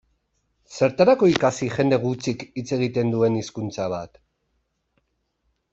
Zertarako ikasi jende gutxik hitz egiten duen hizkuntza bat?